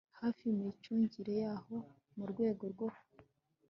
hafi imicungire yayo mu rwego rwo